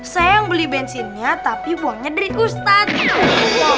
saya yang beli bensinnya tapi buangnya dari ustadz gitu